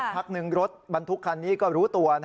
พักหนึ่งรถบรรทุกคันนี้ก็รู้ตัว